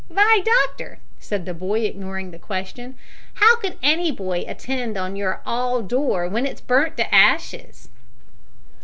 "W'y, doctor," said the boy, ignoring the question, "how could any boy attend on your 'all door w'en it's burnt to hashes?"